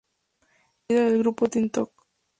Miembro y líder del grupo Teen Top.